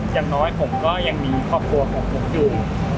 อย่างน้อยผมก็ยังมีครอบครัวของผมอยู่